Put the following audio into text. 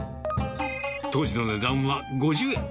当時の値段は５０円。